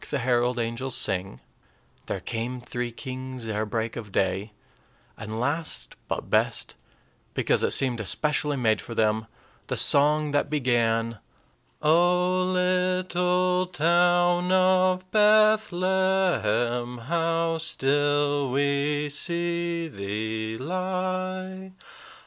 the herald angels sing," "There came three kings ere break of day," and last, but best, because it seemed especially made for them, the song that began: "O little town of Bethlehem, How still we see thee lie!